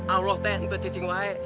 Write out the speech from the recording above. allah teh untuk cikcing wae